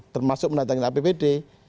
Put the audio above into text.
termasuk mendatangkan apbd